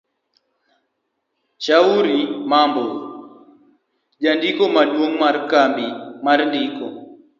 Shauri Mambo Jandiko maduong' mar Kambi mar ndiko